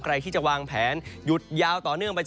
ใครที่จะวางแผนหยุดยาวต่อเนื่องไป